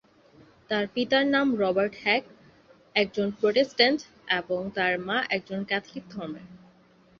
তার পিতার নাম "রবার্ট হ্যাক", একজন প্রোটেস্ট্যান্ট এবং তার মা একজন ক্যাথলিক ধর্মের।